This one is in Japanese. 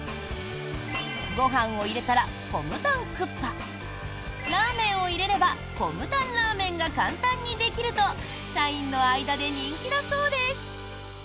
ご飯を入れたらコムタンクッパラーメンを入れればコムタンラーメンが簡単にできると社員の間で人気だそうです。